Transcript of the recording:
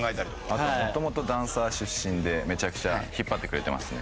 あともともとダンサー出身でめちゃくちゃ引っ張ってくれてますね